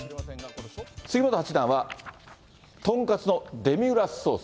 杉本八段は、豚カツのデミグラスソース。